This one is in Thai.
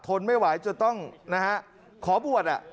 ทนไม่ไหวจนต้องขอบวช